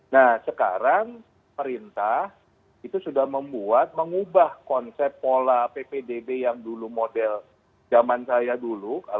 nah sekarang perintah itu sudah membuat mengubah konsep pola ppdb yang dulu model zaman saya dulu